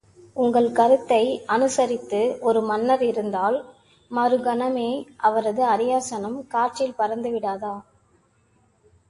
உங்கள் கருத்தை அனுசரித்து ஒரு மன்னர் இருந்தால், மறுகணமே அவரது அரியாசனம் காற்றில் பறந்து விடாதா?